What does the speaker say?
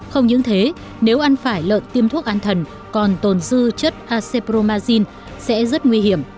không những thế nếu ăn phải lợn tiêm thuốc an thần còn tồn dư chất acromazin sẽ rất nguy hiểm